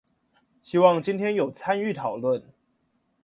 希望今天有參與討論